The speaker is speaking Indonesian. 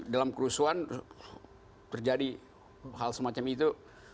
dalam kerusuhan terjadi hal semacam itu